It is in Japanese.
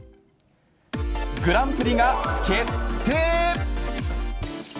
グランプリが決定。